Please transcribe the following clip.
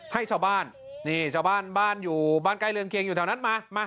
ให้ชาวบ้านนี่ชาวบ้านบ้านใกล้เรือนเคียงอยู่แถวนั้นมา